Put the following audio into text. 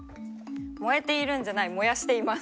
「もえているんじゃないもやしています」。